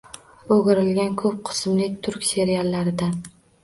O‘girilgan ko‘p qismli turk seriallaridan.